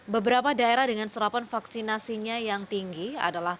beberapa daerah dengan serapan vaksinasinya yang tinggi adalah